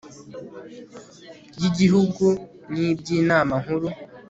y igihugu n iby Inama Nkuru